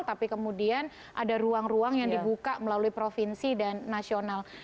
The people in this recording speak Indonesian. tapi kemudian ada ruang ruang yang dibuka melalui provinsi dan nasional